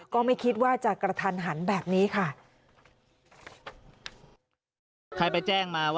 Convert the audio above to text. ก็ไม่คิดว่าจะกระทันหันแบบนี้ค่ะ